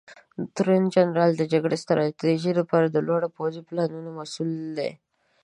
تورنجنرال د جګړې ستراتیژۍ لپاره د لوړو پوځي پلانونو مسوول دی.